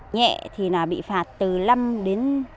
nhẹ thì là bị phạt từ năm đến